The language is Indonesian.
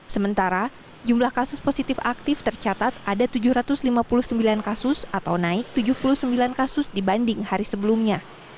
sementara jumlah kasus positif aktif tercatat ada tujuh ratus lima puluh sembilan kasus atau naik tujuh puluh sembilan kasus dibanding hari sebelumnya